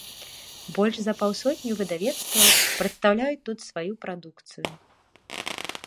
Больш за паўсотню выдавецтваў прадстаўляюць тут сваю прадукцыю.